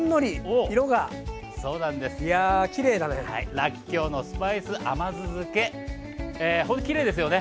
らっきょうのスパイス甘酢漬けほんときれいですよね。